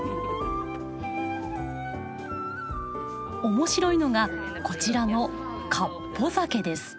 面白いのがこちらのかっぽ酒です。